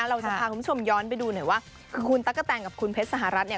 เราจะพาคุณผู้ชมย้อนไปดูหน่อยว่าคือคุณตั๊กกะแตนกับคุณเพชรสหรัฐเนี่ย